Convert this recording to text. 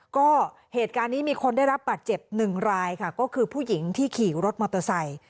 ก็เหตุการณ์นี้มีคนได้รับบาดเจ็บหนึ่งรายค่ะก็คือผู้หญิงที่ขี่รถมอเตอร์ไซค์